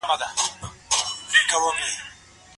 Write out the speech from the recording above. ولي محنتي ځوان د پوه سړي په پرتله ښه ځلېږي؟